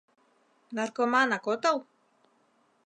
— Наркоманак отыл?